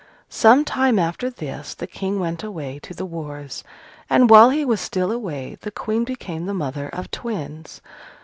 Some time after this, the King went away to the wars: and while he was still away, the Queen became the mother of twins.